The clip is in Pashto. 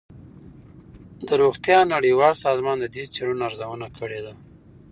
د روغتیا نړیوال سازمان د دې څېړنو ارزونه کړې ده.